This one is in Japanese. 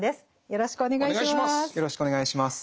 よろしくお願いします。